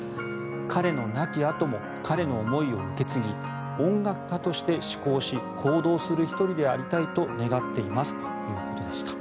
彼の亡きあとも彼の思いを受け継ぎ音楽家として思考し行動する１人でありたいと願っていますということでした。